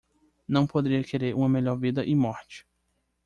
Não poderia querer uma melhor vida e morte.